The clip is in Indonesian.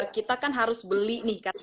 kita kan harus beli nih kan